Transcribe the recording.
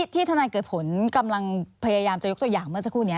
ทนายเกิดผลกำลังพยายามจะยกตัวอย่างเมื่อสักครู่นี้